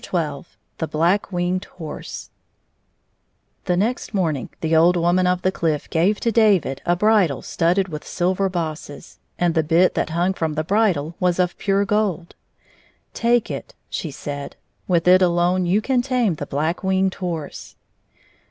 1^5 xn The Black Winged Horse THE next morning the old woman of the cliff gave to David a bridle studded with, silver bosses, and the bit that hung from the bridle was of pure gold. " Take it," she said ;" with it alone you can tame the Black Winged Horse."